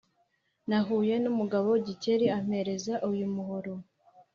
Nahuye n’umugabo Gikeli ampereza uyu muhoro